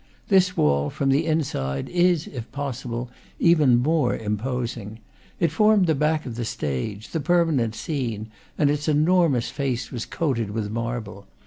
This wall, from the inside, is, if possible, even more imposing. It formed the back of the stage, the permanent scene, and its enormous face was coated with marble.